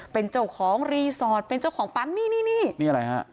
เป็นเจ้าของรีสอร์ทเป็นเจ้าของปั๊มนี่นี่นี่อะไรฮะ